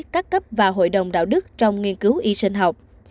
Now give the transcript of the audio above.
các cấp và hội đồng đạo đức trong nghiên cứu y sinh học